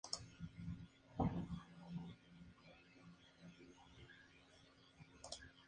Los transmisores se podían dañar por el apagado y encendido rápido.